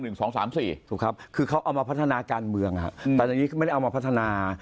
ถูกครับคือเขาเอามาพัฒนาการเมืองแต่อย่างนี้ก็ไม่ได้เอามาพัฒนา